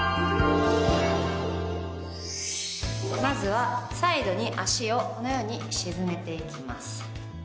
まずはサイドに脚をこのように沈めていきます。